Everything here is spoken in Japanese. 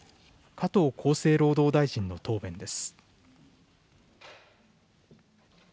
加藤厚生労働大臣の答弁です。